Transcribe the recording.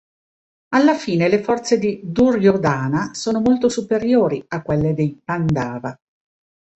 Alla fine le forze di Duryodhana sono molto superiori a quelle dei Pandava.